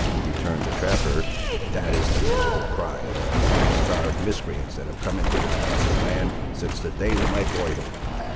retorted the trapper, "that is the miserable cry of all the half starved miscreants that have come into this blessed land, since the days of my boyhood!